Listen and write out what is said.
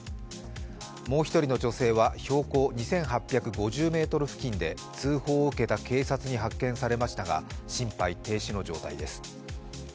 もう１人の女性は標高２８５０ｍ付近で通報を受けた警察に発見されましたが心肺停止の状態です。